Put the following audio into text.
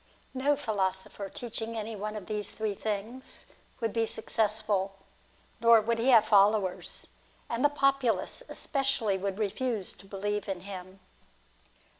^ No philosopher teaching any one of these three things would be successful, nor would he have followers, and the popu lace especially would refuse to believe in him.